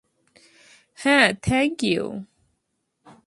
হ্যাঁ, thank you.